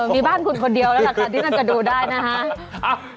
มีบ้านคุณคนเดียวแล้วล่ะค่ะที่น่าจะดูได้นะฮะ